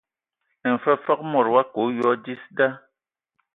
Mfəfəg mod wa kə a oyoa dis da.